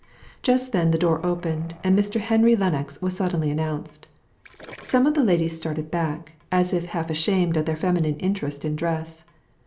Just then the door opened, and Mr. Henry Lennox was suddenly announced. Some of the ladies started back, as if half ashamed of their feminine interest in dress.